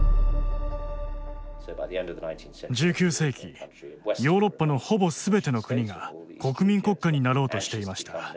１９世紀ヨーロッパのほぼ全ての国が国民国家になろうとしていました。